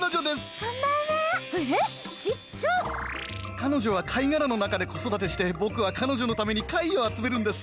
彼女は貝殻の中で子育てして僕は彼女のために貝を集めるんです。